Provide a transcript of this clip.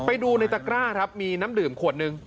ไปดูในตะกร้าครับมีน้ำดื่มขวดหนึ่ง